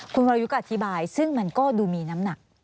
คุณวรยุทธ์ก็อธิบายซึ่งมันก็ดูมีน้ำหนัก